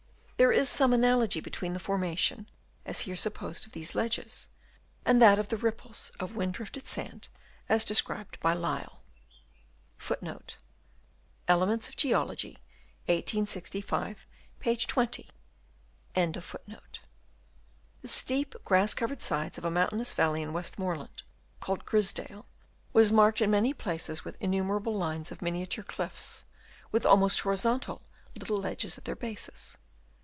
There is some analogy between the formation, as here sup posed, of these ledges, and that of the ripples of wind drifted sand as described by Lyell.* The steep, grass covered sides of a mountainous valley in Westmoreland, called Grisedale, was marked in many places with innumerable lines of miniature cliffs, with almost horizontal, little ledges at their bases.